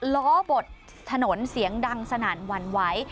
ล้อบดถนนเสียงดังสนั่นหวั่นไหว